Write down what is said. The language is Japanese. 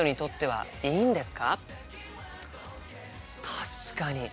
確かに。